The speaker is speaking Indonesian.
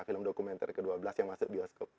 film dokumenter ke dua belas yang masuk bioskop